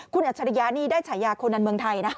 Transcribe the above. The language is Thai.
คุณอัจฉริยะนี่ได้ฉายาโคนันเมืองไทยนะ